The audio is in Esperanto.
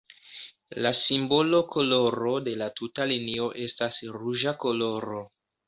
La simbola koloro de la tuta linio estas ruĝa koloro.